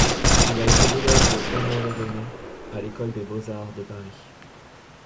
Il a été l'élève de Honoré Daumet à l'école des beaux-arts de Paris.